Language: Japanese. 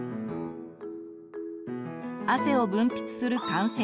汗を分泌する汗腺。